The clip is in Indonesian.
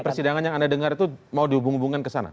persidangan yang anda dengar itu mau dihubung hubungkan ke sana